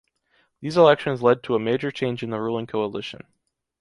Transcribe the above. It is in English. These elections led to a major change in the ruling coalition.